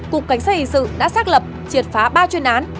cục cảnh sát hình sự đã xác lập triệt phá ba chuyên án